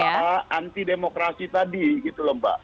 supaya usaha anti demokrasi tadi gitu loh mbak